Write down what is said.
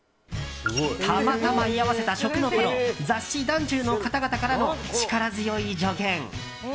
たまたま居合わせた食のプロ雑誌「ｄａｎｃｙｕ」の方々からの力強い助言。